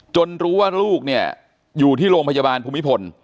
รู้ว่าลูกเนี่ยอยู่ที่โรงพยาบาลภูมิพล